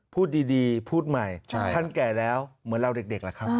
พูดดีพูดใหม่ท่านแก่แล้วเหมือนเราเด็กแหละครับ